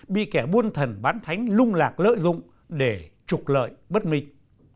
bị kẻ buôn thần bán thánh lung lạc lợi dụng để trục lợi bất minh